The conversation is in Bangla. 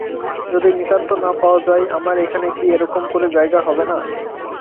যদি নিতান্ত না পাওয়া যায় আমার এখানে কি একরকম করে জায়গা হবে না।